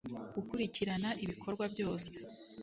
gukurikirana ibikorwa byose